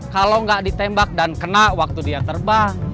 kalau nggak ditembak dan kena waktu dia terbang